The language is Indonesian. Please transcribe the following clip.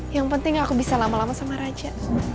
yang penting aku bisa lama lama sama raja